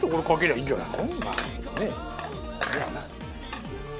いいんじゃない？